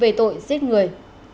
về tội giết người